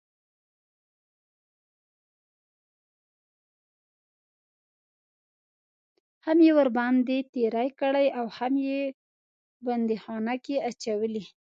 هم یې ورباندې تېری کړی اوهم یې بند خونه کې اچولی.